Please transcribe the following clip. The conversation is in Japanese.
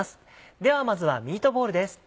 ではまずはミートボールです。